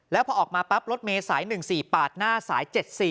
แล้วพอออกมาปั๊บรถเมย์สาย๑๔ปาดหน้าสาย๗๔